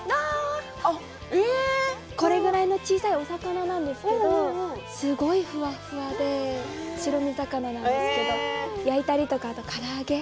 これぐらいの小さいお魚なんですけどすごい、ふわふわで白身魚なんですけど焼いたり、から揚げ。